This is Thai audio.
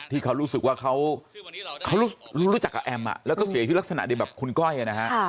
ที่เขารู้สึกว่าเขารู้จักกับแอมแล้วก็เสียชีวิตลักษณะเดียวแบบคุณก้อยนะฮะ